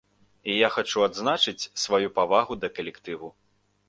І я хачу адзначыць сваю павагу да калектыву.